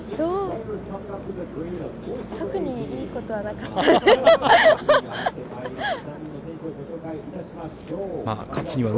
特にいいことはなかった、ははは。